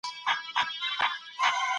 هغوی په تفریح کولو مصروفه دي.